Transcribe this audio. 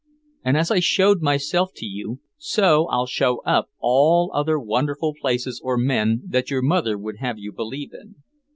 And as I showed myself to you, so I'll show up all other wonderful places or men that your mother would have you believe in."